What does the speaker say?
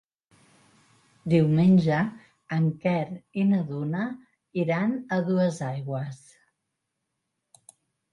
Diumenge en Quer i na Duna iran a Duesaigües.